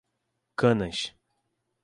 Canas